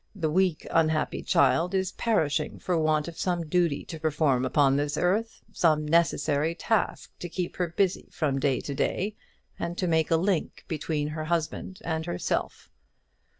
The weak unhappy child is perishing for want of some duty to perform upon this earth; some necessary task to keep her busy from day to day, and to make a link between her husband and herself.